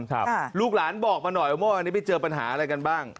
ลูกหลานบอกมาหน่อยว่าอันนี้ไปเจอปัญหาอะไรกันบ้าง